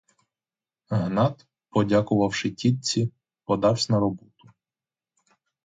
Гнат, подякувавши тітці, подавсь на роботу.